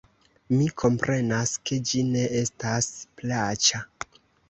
Mi komprenas, ke ĝi ne estas plaĉa.